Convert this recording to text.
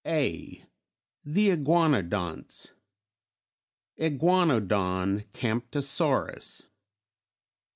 A. THE IGUANODONTS: IGUANODON, CAMPTOSAURUS.